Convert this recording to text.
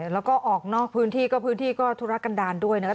แล้วก็ออกนอกพื้นที่ก็พื้นที่ก็ธุรกันดาลด้วยนะครับ